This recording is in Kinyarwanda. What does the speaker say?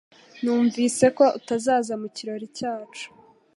Numvise ko utazaza mu kirori cyacu